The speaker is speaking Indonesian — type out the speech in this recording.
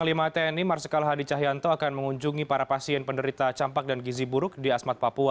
panglima tni marsikal hadi cahyanto akan mengunjungi para pasien penderita campak dan gizi buruk di asmat papua